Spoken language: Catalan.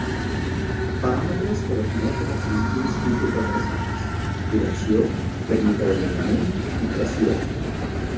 Paràmetres que definixen els distints tipus de traçats: direcció, tècnica de moviment i pressió.